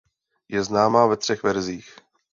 Je známa ve třech verzích.